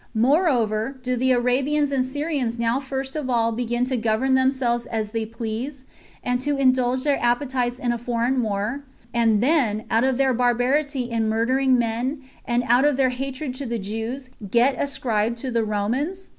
Moreover, do the Arabians and Syrians now first of all begin to govern themselves as they please, and to indulge their appetites in a foreign war, and then, out of their barbarity in murdering men, and out of their hatred to the Jews, get it ascribed to the Romans?"